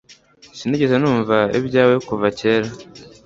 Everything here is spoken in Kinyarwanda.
Sinigeze numva ibyawe kuva kera